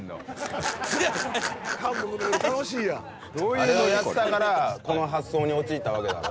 あれをやってたからこの発想に陥ったわけだろ